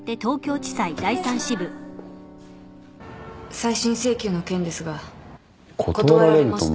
再審請求の件ですが断られました。